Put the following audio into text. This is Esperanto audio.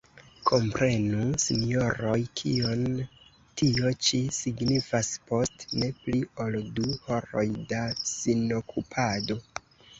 Komprenu, sinjoroj, kion tio ĉi signifas: « post ne pli ol du horoj da sinokupado ».